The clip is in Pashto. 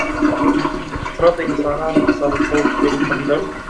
، خره د انسانانو په ساده توب پورې خندل.